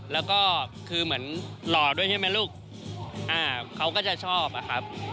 แล้วก็คือเหมือนหล่อด้วยใช่ไหมลูกเขาก็จะชอบอะครับ